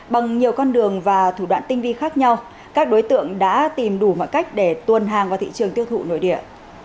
bằng nhiều con đường và thủ đoạn tinh vi khác nhau các đối tượng đã tìm đủ mọi cách để tuồn hàng vào thị trường tiêu thụ nội địa